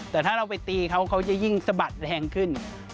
แต่ถ้าเราไปตีเขาเขาจะยิ่งสะบัดแรงขึ้น